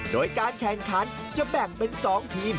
โดยการแข่งขันจะแบ่งเป็น๒ทีม